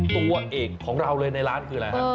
ตัวเอกของเราเลยในร้านคืออะไรฮะ